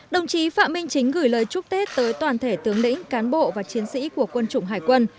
đồng chí phạm minh chính gửi lời chúc tết tới toàn thể tướng lĩnh cán bộ và chiến sĩ của quân chủng hải quân